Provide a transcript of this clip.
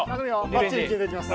ばっちり決めてきます。